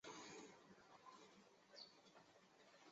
以杭州至黄山方向。